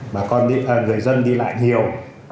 mà còn người dân đi lại nhiều